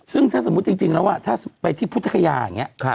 ซึ่งถ้าสมมุติจริงแล้วถ้าไปที่พุทธคยาอย่างนี้